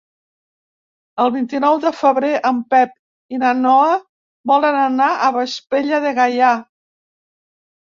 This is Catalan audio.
El vint-i-nou de febrer en Pep i na Noa volen anar a Vespella de Gaià.